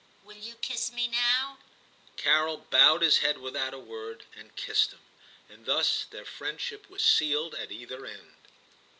Will you kiss me now ?* Carol bowed his head without a word and kissed him. And thus their friendship was sealed at either end.